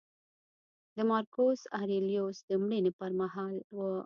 د مارکوس اریلیوس د مړینې پرمهال و